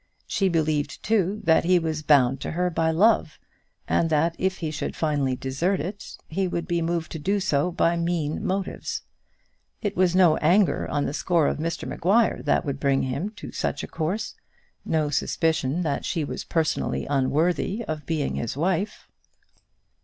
She believed, too, that he was bound to her by love, and that if he should finally desert it, he would be moved to do so by mean motives. It was no anger on the score of Mr Maguire that would bring him to such a course, no suspicion that she was personally unworthy of being his wife.